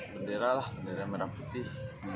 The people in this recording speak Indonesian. beneran merah putih